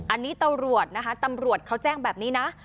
อันนี้ตำรวจเขาแจ้งแบบนี้นะ